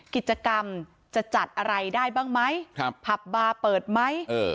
กิจกรรมจะจัดอะไรได้บ้างไหมผับบาร์เปิดไหม